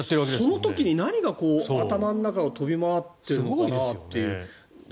その時に何が頭の中を飛び回っているのかなって。